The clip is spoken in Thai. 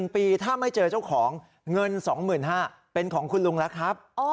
๑ปีถ้าไม่เจอเจ้าของเงิน๒๕๐๐เป็นของคุณลุงแล้วครับ